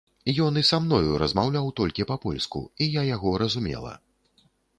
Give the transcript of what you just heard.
Ён і са мною размаўляў толькі па-польску, і я яго разумела.